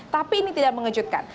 tapi ini tidak mengejutkan